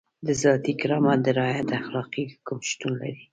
د ذاتي کرامت د رعایت اخلاقي حکم شتون لري.